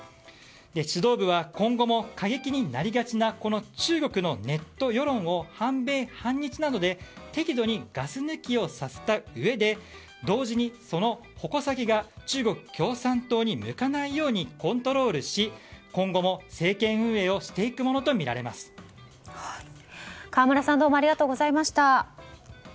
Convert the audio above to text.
指導部は今後も過激になりがちな中国のネット世論を反米・反日などで適度にガス抜きをさせたうえで同時にその矛先が中国共産党に向かないようにコントロールし今後も政権運営を河村さんどうもありがとうございました。